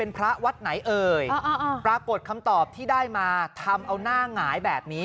ปรากฏคำตอบที่ได้มาทำเอาหน้าหงายแบบนี้